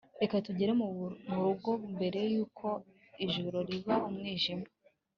Reka tugere murugo mbere yuko ijoro riba umwijima